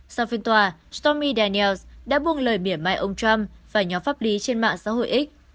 sau phiên tòa stormy daniels đã buông lời biển mai ông trump và nhóm pháp lý trên mạng xã hội x